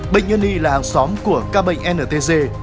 bệnh nhân y là hàng xóm của ca bệnh ntg